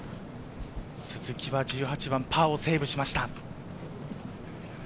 鈴木は１８番、パーをセーブしました。